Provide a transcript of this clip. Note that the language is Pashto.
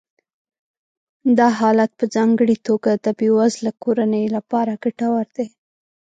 دا حالت په ځانګړې توګه د بې وزله کورنیو لپاره ګټور دی